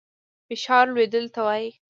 فشار لوړېدلو ته وايي.